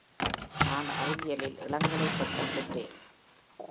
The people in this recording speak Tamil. நான் அறிவியலில் இளங்கலை பட்டம் பெற்றேன்.